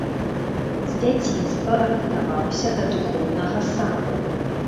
З дзяцінства рыхтаваўся да духоўнага сану.